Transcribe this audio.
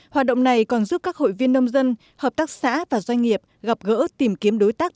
hoạt động này còn giúp các hội viên nông dân hợp tác xã và doanh nghiệp gặp gỡ tìm kiếm đối tác